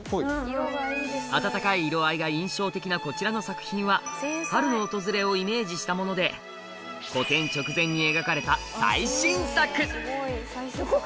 温かい色合いが印象的なこちらの作品は春の訪れをイメージしたものでこれはですね。